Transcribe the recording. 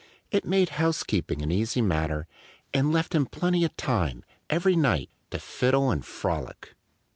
It made housekeeping an easy matter and left him plenty of time, every night, to fiddle and frolic.